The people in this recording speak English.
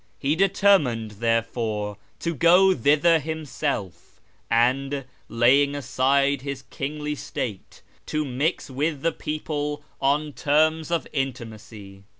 He determined, therefore, to go thither himself, and, laying aside his kingly state, to mix with the people on terms of intimacy.